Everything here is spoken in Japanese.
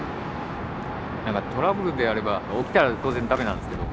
なんかトラブルであれば起きたら当然駄目なんですけど。